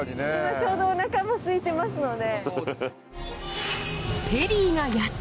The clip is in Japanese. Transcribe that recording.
ちょうどお腹もすいてますので。